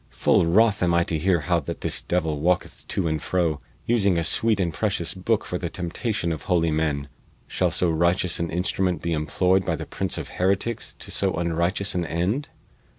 Full wroth am I to hear how that this devil walketh to and fro, using a sweet and precious booke for the temptation of holy men. Shall so righteous an instrument be employed by the prince of heretics to so unrighteous an end?"